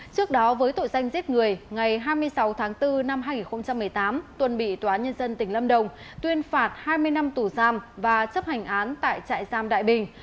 trước đó với tội danh giết người ngày hai mươi sáu tháng bốn năm hai nghìn một mươi tám tuân bị tòa nhân dân tỉnh lâm đồng tuyên phạt hai mươi năm tù giam và chấp hành án tại trại giam đại bình